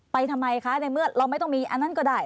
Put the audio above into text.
ทำไมคะในเมื่อเราไม่ต้องมีอันนั้นก็ได้